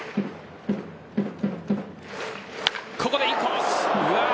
ここでインコース。